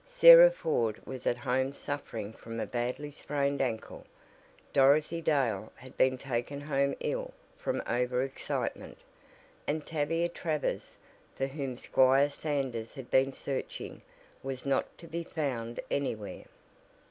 Sarah Ford was at home suffering from a badly sprained ankle; Dorothy Dale had been taken home ill from over excitement, and Tavia Travers, for whom Squire Sanders had been searching, was not to be found anywhere.